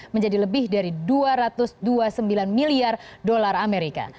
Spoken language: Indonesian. menjadi lebih dari dua ratus dua puluh sembilan miliar dolar amerika